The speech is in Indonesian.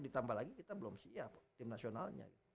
ditambah lagi kita belum siap tim nasionalnya